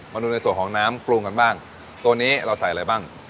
มาดูในส่วนของน้ำปรุงกันบ้างตัวนี้เราใส่อะไรบ้าง